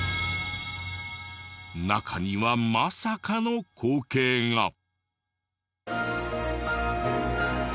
中にはまさかの光景が。